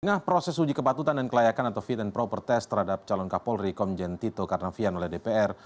nah proses uji kepatutan dan kelayakan atau fit and proper test terhadap calon kapolri komjen tito karnavian oleh dpr